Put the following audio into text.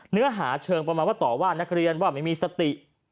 เนื้อหาเชิงประมาณว่าต่อว่านักเรียนว่าไม่มีสติ